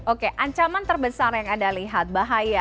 oke ancaman terbesar yang anda lihat bahaya